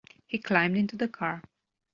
He climbed into the car.